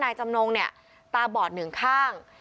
จำนงเนี่ยตาบอดหนึ่งข้าง